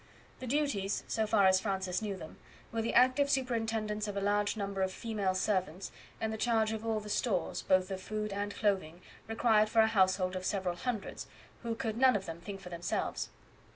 The duties, so far as Francis knew them, were the active superintendence of a large number of female servants, and the charge of all the stores, both of food and clothing, required for a household of several hundreds, who could none of them think for themselves.